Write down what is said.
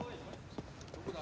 どこだ？